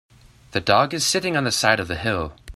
The dog is sitting on the side of the hill.